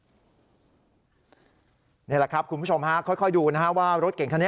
นี่แหละครับคุณผู้ชมฮะค่อยดูนะฮะว่ารถเก่งคันนี้